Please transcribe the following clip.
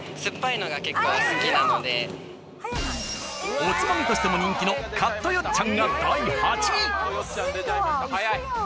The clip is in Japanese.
おつまみとしても人気のカットよっちゃん出ちゃいました早い。